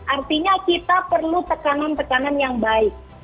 artinya kita perlu tekanan tekanan yang baik